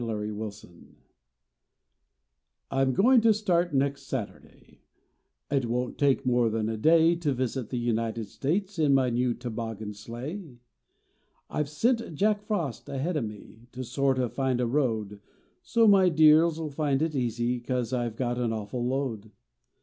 COMIN CHRISTMAS MORN I m goiti to start next Saturday; It won t take more n a day To visit the United States In my new toboggan sleigh. I ve sent Jack Frost ahead o me To sort o find a road, So my deers 11 find it easy Cause I ve got an awful load.